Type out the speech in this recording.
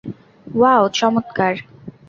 Wow, চমৎকার।